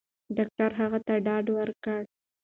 ډاکټر هغه ته ډاډ ورکړ.